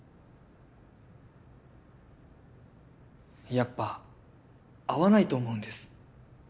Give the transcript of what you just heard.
やっぱ合わないと思うんです。